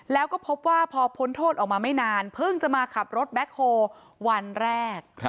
แล้วก็พบว่าพอพ้นโทษออกมาไม่นานเพิ่งจะมาขับรถแบ็คโฮวันแรก